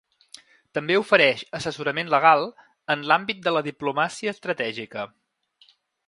També ofereix assessorament legal en l’àmbit de la diplomàcia estratègica.